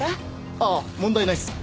ああ問題ないっす。